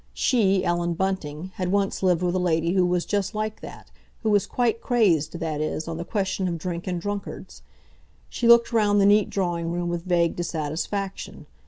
She, Ellen Bunting, had once lived with a lady who was just like that, who was quite crazed, that is, on the question of drink and drunkards—She looked round the neat drawing room with vague dissatisfaction.